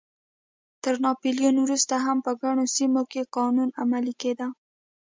تر ناپلیون وروسته هم په ګڼو سیمو کې قانون عملی کېده.